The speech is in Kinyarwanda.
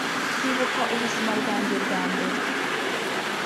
kwibuka ubuzima bwanjye bwambere